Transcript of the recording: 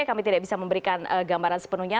kami tidak bisa memberikan gambaran sepenuhnya